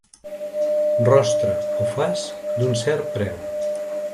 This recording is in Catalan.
Rostre o faç d'un cert preu.